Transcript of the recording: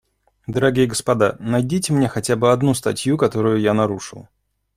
Дорогие господа, найдите мне хотя бы одну статью, которую я нарушил.